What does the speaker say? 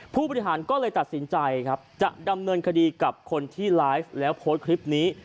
ผู้บริหารก็เลยตัดสินใจครับจะดำเนินคดีกับคนที่ไลฟ์แล้วโพสต์คลิปนี้